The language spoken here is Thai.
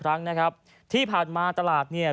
พร้อมกับหยิบมือถือขึ้นไปแอบถ่ายเลย